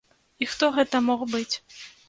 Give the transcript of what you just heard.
І хто гэта мог быць?